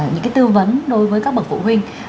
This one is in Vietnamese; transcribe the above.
những tư vấn đối với các bậc phụ huynh